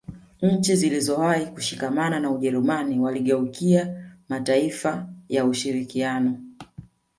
Nchi zilizowahi kushikamana na Wajerumani waligeukia mataifa ya ushirikiano